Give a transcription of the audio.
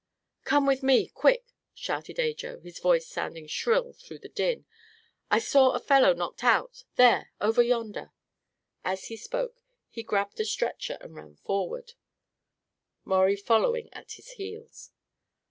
"Come with me quick!" shouted Ajo, his voice sounding shrill through the din. "I saw a fellow knocked out there over yonder!" As he spoke he grabbed a stretcher and ran forward, Maurie following at his heels.